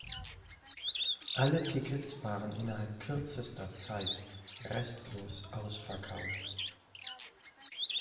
Alle Tickets waren innerhalb kürzester Zeit restlos ausverkauft.